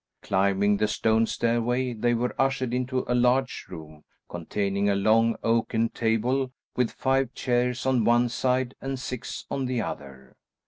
Climbing the stone stairway they were ushered into a large room containing a long oaken table with five chairs on one side and six on the other.